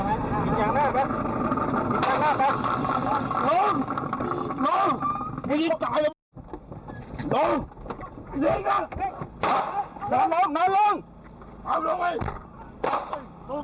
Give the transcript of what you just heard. ลงลงไม่ได้ยิงจ้างหน้าลงยิงจ้างหน้าลงลงลงลงลงลงลงลง